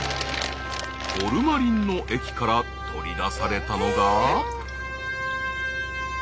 ホルマリンの液から取り出されたのが。